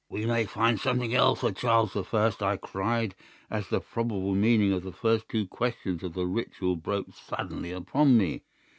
"'We may find something else of Charles the First,' I cried, as the probable meaning of the first two questions of the Ritual broke suddenly upon me.